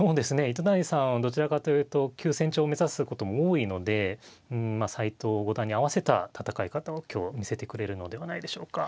糸谷さんはどちらかというと急戦調を目指すことも多いのでうんまあ斎藤五段に合わせた戦い方を今日は見せてくれるのではないでしょうか。